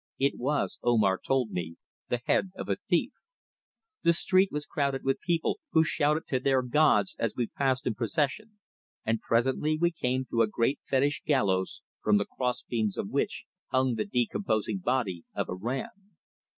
It was, Omar told me, the head of a thief. The street was crowded with people, who shouted to their gods as we passed in procession, and presently we came to a great fetish gallows, from the cross beams of which hung the decomposing body of a ram.